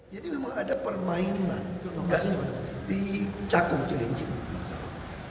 jadi memang ada permainan di cakung cilincing